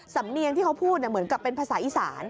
สำเนียงที่เขาพูดเหมือนกับเป็นภาษาอีสาน